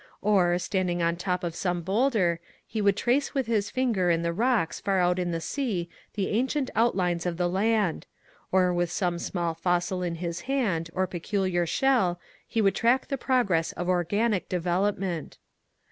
Or, standing on the top of some boulder, he would trace with his finger in the rocks far out in the sea the ancient outlines of the land ; or with some small fossil in his hand, or peculiar shell, he would track the progress of organic development.